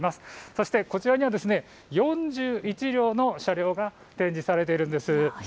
そしてこちらには４１両の車両が展示されているんです。